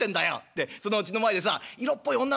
でそのうちの前でさ色っぽい女がだよ